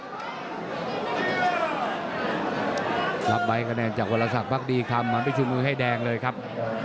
ครับไบค์กระแนนจากวัลศัพท์บัคดีคำมาไปชูมือให้แดงเลยครับ